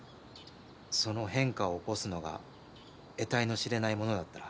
その変化を起こすのがえたいの知れないものだったら。